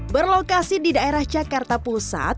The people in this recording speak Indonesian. berlokasi di daerah jakarta pusat